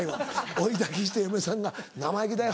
追いだきして嫁さんが「生意気だよ‼」